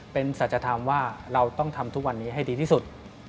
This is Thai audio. เป็นสัจธรรมว่าเราต้องทำทุกวันนี้ให้ดีที่สุด